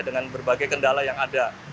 dengan berbagai kendala yang ada